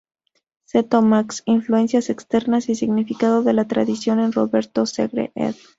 Cetto, Max, “Influencias externas y significado de la tradición,“ en Roberto Segre, ed.